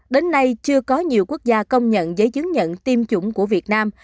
đến nay chưa có nhiều quốc gia công nhận giấy chứng nhận tiêm chủng của việt nam